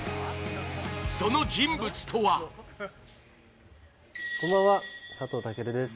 その人物とはこんばんは、佐藤健です。